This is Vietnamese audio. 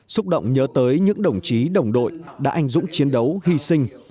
xúc động nhớ tới những đồng chí đồng đội đã anh dũng chiến đấu hy sinh